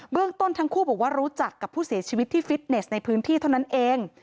เรื่องต้นทั้งคู่บอกว่ารู้จักกับผู้เสียชีวิตที่ฟิตเนสในพื้นที่เท่านั้นเอง